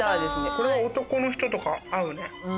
これは男の人とか合うね。